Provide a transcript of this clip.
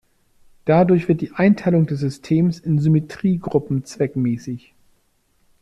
Dadurch wird die Einteilung des Systems in Symmetriegruppen zweckmäßig.